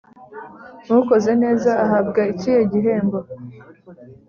ukoze neza ahabwa ikihe gihembo